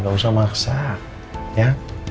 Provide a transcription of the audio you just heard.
nggak usah maksa ya